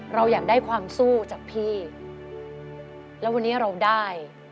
เราอยากได้ความสู้จากพี่แล้ววันนี้เราได้